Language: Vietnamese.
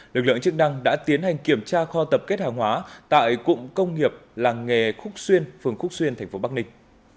lực lượng chức năng đã tiến hành kiểm tra kho tập kết hàng hóa tại cụng công nghiệp làng nghề khúc xuyên phường khúc xuyên thành phố bắc ninh